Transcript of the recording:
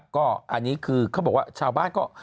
ก็อันนี้คือเขาบอกว่าชาวบ้านก็